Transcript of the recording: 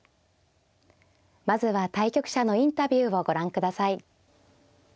まずは対局者のインタビューをご覧ください。